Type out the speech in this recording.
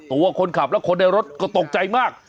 ตัวคนขับและคนในรถก็ตกใจมาก